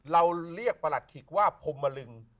เราเรียกประหลัดขิกว่าพรมลึง